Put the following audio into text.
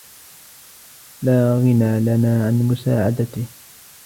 لا غِنى لنا عن مساعدته.